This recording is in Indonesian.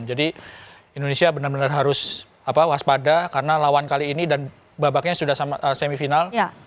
jadi indonesia benar benar harus waspada karena lawan kali ini dan babaknya sudah semifinal